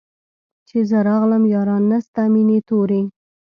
چي زه راغلم ياران نسته مېني توري